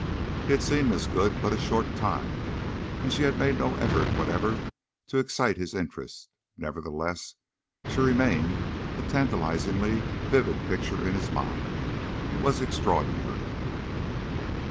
He had seen Miss Good but a short time, and she had made no effort whatever to excite his interest; nevertheless, she remained a tantalizingly vivid picture in his mind. It was extraordinary.